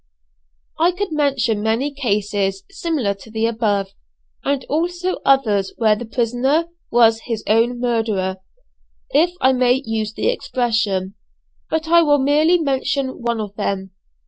I could mention many cases similar to the above, and also others where the prisoner was his own murderer if I may use the expression but I will merely mention one of them.